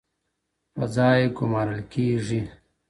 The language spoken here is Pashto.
په ځای ګمارل کېږي